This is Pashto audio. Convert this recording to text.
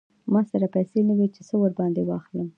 ما سره پیسې نه وې چې څه ور باندې واخلم.